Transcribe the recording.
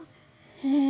うん。